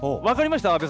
分かりました？